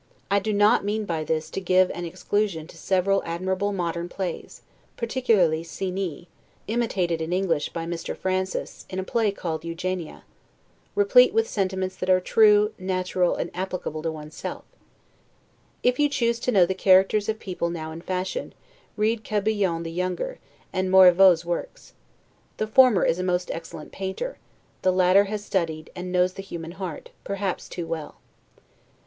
I do not mean by this to give an exclusion to several admirable modern plays, particularly "Cenie," [Imitated in English by Mr. Francis, in a play called "Eugenia."] replete with sentiments that are true, natural, and applicable to one's self. If you choose to know the characters of people now in fashion, read Crebillon the younger, and Marivaux's works. The former is a most excellent painter; the latter has studied, and knows the human heart, perhaps too well.